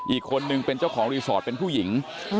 อีกคนนึงเป็นเจ้าของรีสอร์ทเป็นผู้หญิง